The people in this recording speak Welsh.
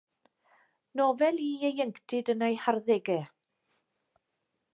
Nofel i ieuenctid yn eu harddegau.